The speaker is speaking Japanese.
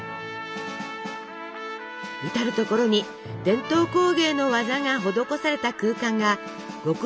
至る所に伝統工芸の技が施された空間が極上の旅を演出します。